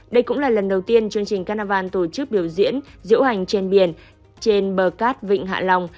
đây cũng là lần đầu tiên chương trình carnival tổ chức biểu diễn diễu hành trên biển trên bờ cát vịnh hạ long